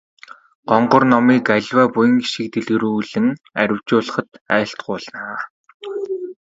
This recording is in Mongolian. Гонгор номыг аливаа буян хишгийг дэлгэрүүлэн арвижуулахад айлтгуулна.